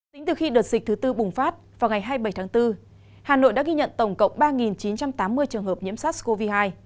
tính từ khi đợt dịch thứ tư bùng phát vào ngày hai mươi bảy tháng bốn hà nội đã ghi nhận tổng cộng ba chín trăm tám mươi trường hợp nhiễm sars cov hai